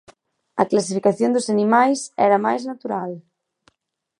A clasificación dos animais era máis natural.